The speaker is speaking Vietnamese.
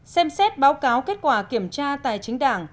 xem xét báo cáo kết quả kiểm tra tài chính đảng